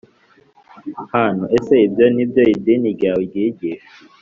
hantu Ese ibyo ni byo idini ryawe ryigisha